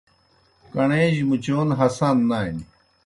کݨے جیْ مُچون ہسان نانیْ۔